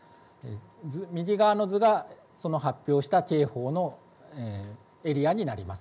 右側の図の発表した警報のエリアになります。